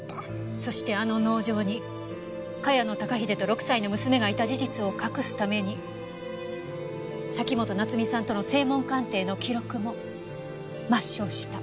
そしてあの農場に茅野孝英と６歳の娘がいた事実を隠すために崎本菜津美さんとの声紋鑑定の記録も抹消した。